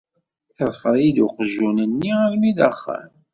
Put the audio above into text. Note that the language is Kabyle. Iḍfer-iyi-d uqjun-nni armi d axxam.